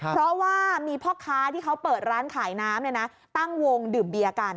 เพราะว่ามีพ่อค้าที่เขาเปิดร้านขายน้ำตั้งวงดื่มเบียร์กัน